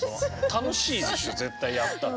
楽しいでしょ絶対やったら。